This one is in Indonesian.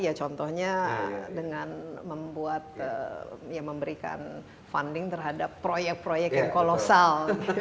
ya contohnya dengan membuat ya memberikan funding terhadap proyek proyek yang kolosal